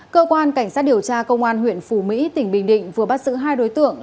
cơ quan cảnh sát điều tra công an huyện phù mỹ tỉnh bình định vừa bắt giữ hai đối tượng